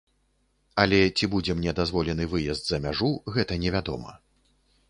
Але ці будзе мне дазволены выезд за мяжу, гэта не вядома.